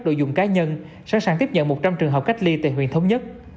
đội dùng cá nhân sẵn sàng tiếp nhận một trăm linh trường học cách ly tại huyện thống nhất